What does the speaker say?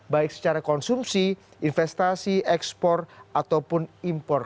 baik secara konsumsi investasi ekspor ataupun impor